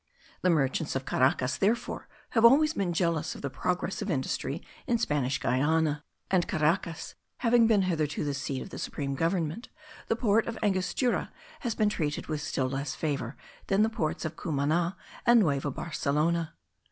The merchants of Caracas, therefore, have been always jealous of the progress of industry in Spanish Guiana; and Caracas having been hitherto the seat of the supreme government, the port of Angostura has been treated with still less favour than the ports of Cumana and Nueva Barcelona.